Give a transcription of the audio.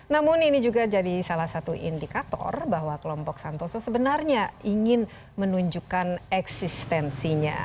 namun ini juga jadi salah satu indikator bahwa kelompok santoso sebenarnya ingin menunjukkan eksistensinya